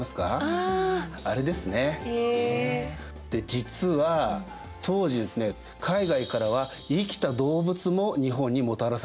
実は当時ですね海外からは生きた動物も日本にもたらされていました。